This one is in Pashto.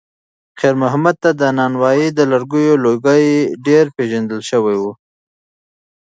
خیر محمد ته د نانوایۍ د لرګیو لوګی ډېر پیژندل شوی و.